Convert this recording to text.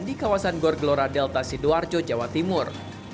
di kawasan gorgelora delta sidoarjo jawa timur